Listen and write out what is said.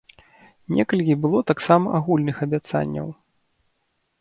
Некалькі было таксама агульных абяцанняў.